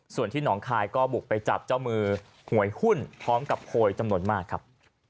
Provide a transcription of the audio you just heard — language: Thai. ส่วนที่หนองคายก็บุกไปจับเจ้ามือหวยหุ้นพร้อมกับโพยจำนวนมากครับ